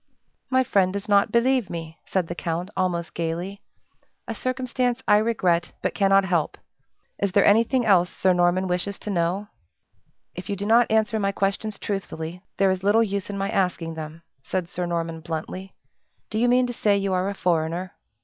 "My friend does not believe me," said the count, almost gayly "a circumstance I regret, but cannot help. Is there anything else Sir Norman wishes to know?" "If you do not answer my questions truthfully, there is little use in my asking them," said Sir Norman, bluntly. "Do you mean to say you are a foreigner?"